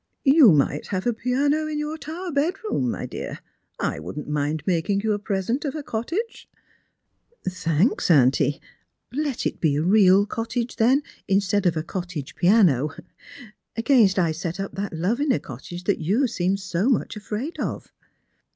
" You might have a piano in your tower bedroom, ray dear. I wouldn't mind making yon a present of a cottage." " Thanks, auntie. Let it be a real cottage, then, instead of a cottage piano— against I set up that love iu a cottage you seem so much afraid of."